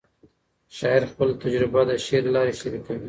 شاعر خپل تجربه د شعر له لارې شریکوي.